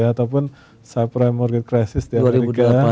ataupun subprime mortgage crisis di amerika